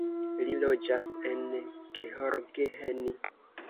Li loĝas en Gheorgheni.